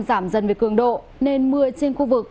giảm dần về cường độ nên mưa trên khu vực